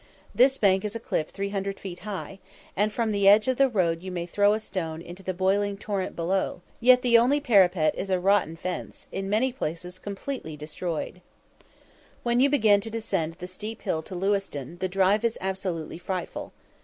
This bank is a cliff 300 feet high, and from the edge of the road you may throw a stone into the boiling torrent below; yet the only parapet is a rotten fence, in many places completely destroyed. When you begin to descend the steep hill to Lewiston the drive is absolutely frightful.